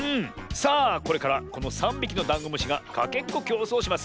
さあこれからこの３びきのダンゴムシがかけっこきょうそうをします。